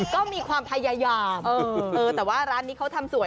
ก็มีความพยายามแต่ว่าร้านนี้เขาทำสวย